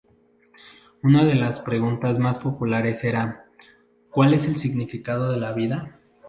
Una de las preguntas más populares era "cuál es el significado de la vida?".